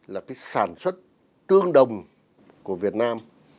là cái sản xuất tương đồng của việt nam